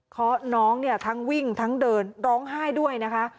น้องเนี่ยทั้งวิ่งทั้งเดินร้องไห้ด้วยนะคะ